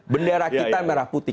bendera kita merah putih